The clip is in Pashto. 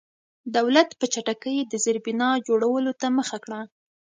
دولت په چټکۍ د زېربنا جوړولو ته مخه کړه.